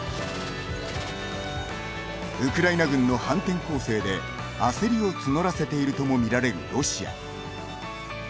ウクライナ軍の反転攻勢で焦りを募らせているとも見られるロシア。